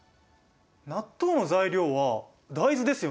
納豆の材料は大豆ですよね。